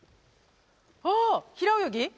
あっ平泳ぎ。